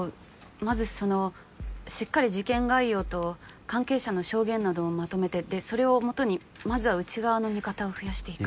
まずそのしっかり事件概要と関係者の証言などをまとめてでそれを基にまずは内側の味方を増やしていく。